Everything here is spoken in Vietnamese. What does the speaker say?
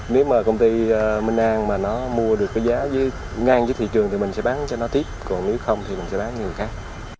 nếu mà công ty minh an mà nó mua được cái giá ngang với thị trường thì mình sẽ bán cho nó tiếp còn nếu không thì mình sẽ bán nhiều cát